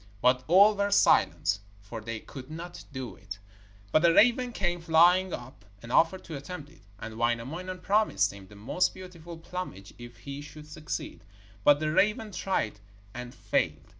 But all were silent, for they could not do it. But a raven came flying up and offered to attempt it, and Wainamoinen promised him the most beautiful plumage if he should succeed, but the raven tried and failed.